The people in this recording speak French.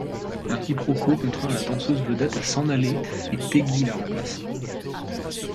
Un quiproquo contraint la danseuse vedette à s'en aller et Peggy la remplace.